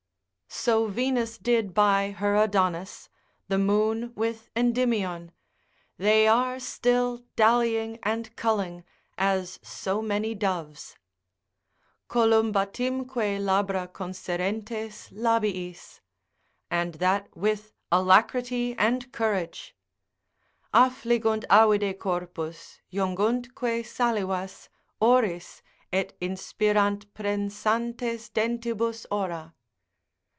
So Venus did by her Adonis, the moon with Endymion, they are still dallying and culling, as so many doves, Columbatimque labra conserentes labiis, and that with alacrity and courage, Affligunt avide corpus, junguntque salivas Oris, et inspirant prensantes dentibus ora.